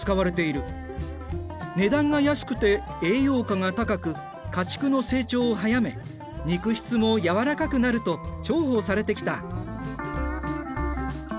値段が安くて栄養価が高く家畜の成長を早め肉質もやわらかくなると重宝されてきた。